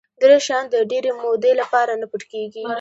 درې شیان د ډېرې مودې لپاره نه پټ کېږي.